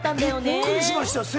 びっくりしました。